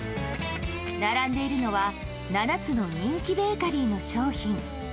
並んでいるのは７つの人気ベーカリーの商品。